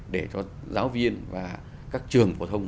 để cho giáo viên và các trường phổ thông